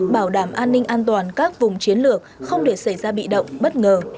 bảo đảm an ninh an toàn các vùng chiến lược không để xảy ra bị động bất ngờ